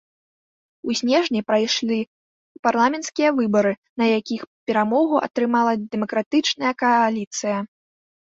У снежні прайшлі парламенцкія выбары, на якіх перамогу атрымала дэмакратычная кааліцыя.